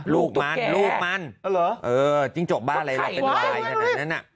ลูกมันลูกมันเออจริงจกบ้าอะไรเป็นลายขนาดนั้นนะ